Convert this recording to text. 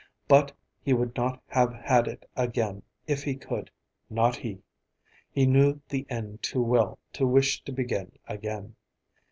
But he would not have had it again if he could, not he! He knew the end too well to wish to begin again.